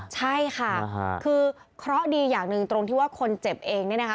ใช่ค่ะคือเคราะห์ดีอย่างหนึ่งตรงที่ว่าคนเจ็บเองเนี่ยนะคะ